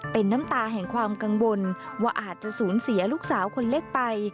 เป็นน้ำตาแห่งความกังวลว่าอาจจะสูญเสียลูกสาวคนเล็กไป